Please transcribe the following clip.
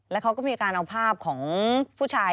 แล้วเขาก็มีการเอาภาพของผู้ชาย